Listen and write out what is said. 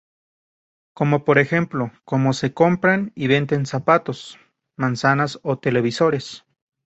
Como por ejemplo como se compran y venden zapatos, manzanas o televisores.